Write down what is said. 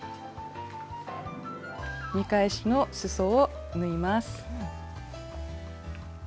見返しのすそを縫います。